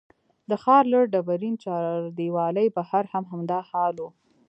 د ښار له ډبرین چاردیوالۍ بهر هم همدا حال و.